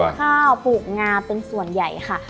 ข้าวปลูกงาเป็นส่วนใหญ่ค่ะ